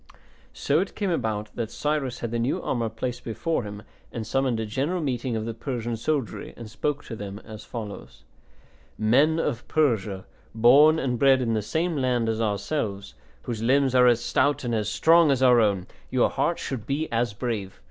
So it came about that Cyrus had the new armour placed before him and summoned a general meeting of the Persian soldiery, and spoke to them as follows: "Men of Persia, born and bred in the same land as ourselves, whose limbs are as stout and as strong as our own, your hearts should be as brave.